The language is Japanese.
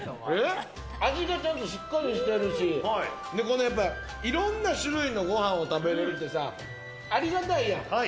味がしっかりしてるし、このやっぱりいろんな種類のごはんを食べれるってさ、ありがたいやん。